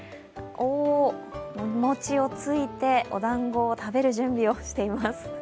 お餅をついて、おだんごを食べる準備をしています。